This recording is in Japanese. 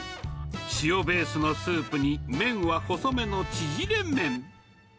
塩ベースのスープに、麺は細めのちぢれ麺。